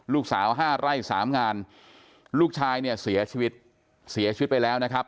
ห้าไร่สามงานลูกชายเนี่ยเสียชีวิตเสียชีวิตไปแล้วนะครับ